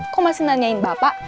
kok masih nanyain bapak